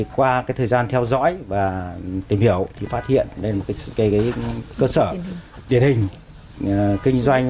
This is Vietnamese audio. qua thời gian theo dõi và tìm hiểu phát hiện cơ sở điện hình kinh doanh